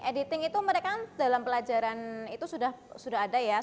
editing itu mereka dalam pelajaran itu sudah ada ya